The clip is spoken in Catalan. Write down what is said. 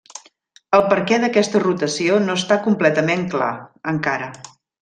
El perquè d'aquesta rotació no està completament clar, encara.